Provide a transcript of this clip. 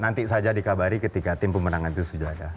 nanti saja dikabari ketika tim pemenangan itu sudah ada